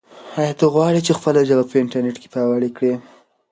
آیا ته غواړې چې خپله ژبه په انټرنیټ کې پیاوړې کړې؟